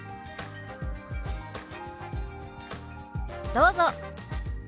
どうぞ。